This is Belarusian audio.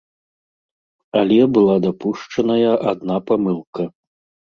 Але была дапушчаная адна памылка.